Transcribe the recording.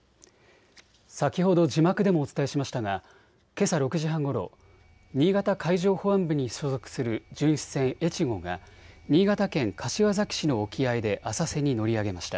先ほど字幕でもお伝えしましたがけさ６時半ごろ、新潟海上保安部に所属する巡視船えちごが新潟県柏崎市の沖合で浅瀬に乗り上げました。